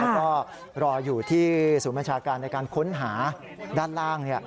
แล้วก็รออยู่ที่ศูนย์บัญชาการในการค้นหาด้านล่าง